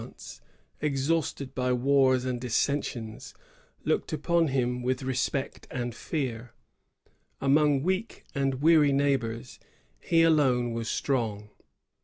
The nations of Europe, exhausted by wan and dissensions, looked upon him with respect and fear. Among weak and weary neighbors, he alone was strong.